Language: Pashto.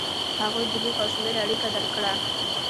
هغوی د لیک او شمېر اړیکه درک کړه.